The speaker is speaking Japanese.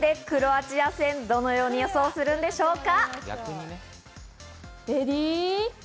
果たして、クロアチア戦、どのように予想するんでしょうか？